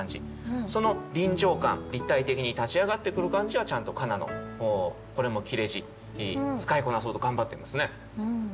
その臨場感立体的に立ち上がってくる感じはちゃんと「かな」のこれも切れ字使いこなそうと頑張っていますね。